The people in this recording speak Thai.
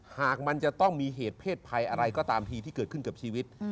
หากมันจะต้องมีเหตุเพศภัยอะไรก็ตามทีที่เกิดขึ้นกับชีวิต